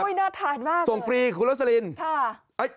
น่าทานมากเลยคุณลักษณิย์ส่งฟรีคุณลักษณิย์